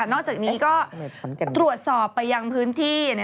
นอกจากนี้ก็ตรวจสอบไปยังพื้นที่